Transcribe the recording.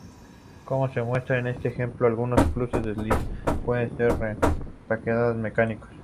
Como se muestra en este ejemplo, algunos puzles deslizantes pueden ser rompecabezas mecánicos.